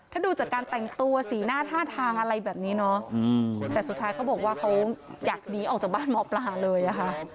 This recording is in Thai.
ถ้าดูจากการแต่งตัวสีหน้าท่าทางอะไรแบบนี้เนาะแต่สุดท้ายเขาบอกว่าเขาอยากหนีออกจากบ้านหมอปลาเลยอะค่ะ